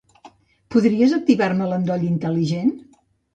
Podries activar-me l'endoll intel·ligent?